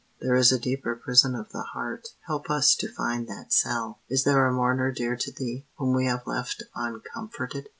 There is a deeper prison of the heart; Help us to find that cell. Is there a mourner dear to Thee, whom we Have left uncomforted?